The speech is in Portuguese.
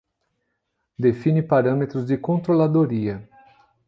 Define parâmetros de controladoria